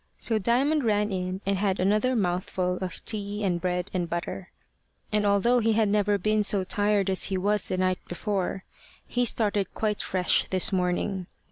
So Diamond ran in and had another mouthful of tea and bread and butter; and although he had never been so tired as he was the night before, he started quite fresh this morning.